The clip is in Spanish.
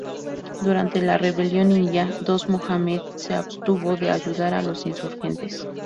Durante la Rebelión India, Dost Mohammed se abstuvo de ayudar a los insurgentes.